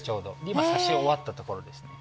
今挿し終わったところですね。